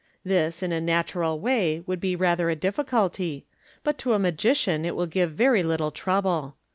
This, in a natural way, would be rather a difficulty, but to a magician it will give very little trouble.